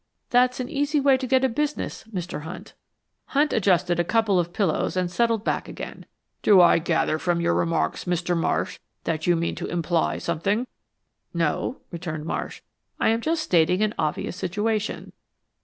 That's an easy way to get a business, Mr. Hunt." Hunt adjusted a couple of pillows and settled back again. "Do I gather from your remarks, Mr. Marsh, that you mean to imply something?" "No," returned Marsh, "I am just stating an obvious situation."